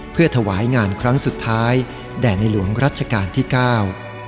เพื่อถวายงานครั้งสุดท้ายแด่ในหลวงรัชกาลที่เก้า